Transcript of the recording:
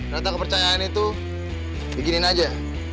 datang kepercayaan itu diginin aja